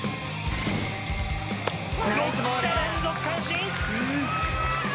６者連続三振！